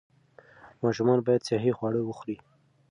ماشومان باید صحي خواړه وخوري.